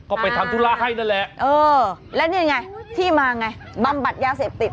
ก็ไปทำธุระให้นั่นแหละเออและนี่ไงที่มาไงบำบัดยาเสพติด